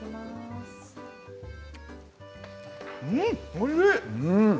おいしい。